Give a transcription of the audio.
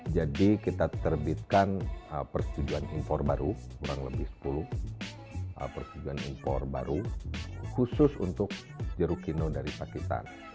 jadi kita terbitkan persetujuan impor baru kurang lebih sepuluh persetujuan impor baru khusus untuk jeruk kino dari pakistan